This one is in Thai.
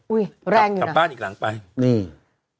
อุ้ยแรงอยู่นะกลับบ้านอีกหลังไปนี่